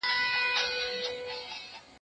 زه جواب نه ورکوم؟!